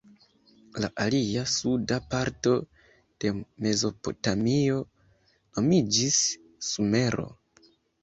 La alia, suda parto de Mezopotamio nomiĝis Sumero.